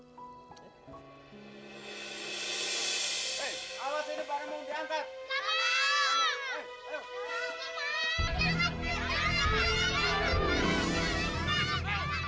hei awas ini bareng mau diantar